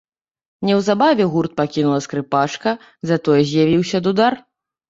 Неўзабаве гурт пакінула скрыпачка, затое з'явіўся дудар.